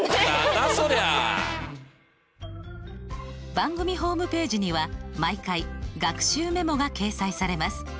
番組ホームページには毎回学習メモが掲載されます。